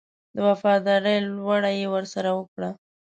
د وفاداري لوړه یې ورسره وکړه.